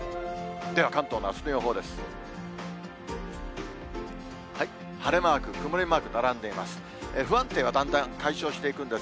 では関東のあすの予報です。